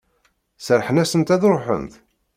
Serrḥen-asent ad ruḥent?